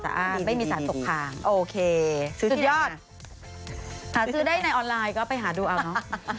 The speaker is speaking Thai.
หาซื้อได้ในออนไลน์ก็ไปหาดูเอาเนาะ